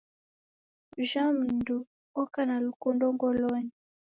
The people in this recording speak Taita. Ojha mdu oka na lukundo ngolonyi.